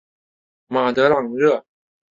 马德朗热。